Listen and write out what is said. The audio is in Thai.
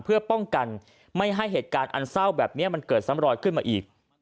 เพื่อป้องกันไม่ให้เหตุการณ์อันเศร้าแบบนี้มันเกิดซ้ำรอยขึ้นมาอีก